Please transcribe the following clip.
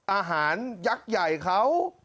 อาหารยักษ์ใหญ่เขา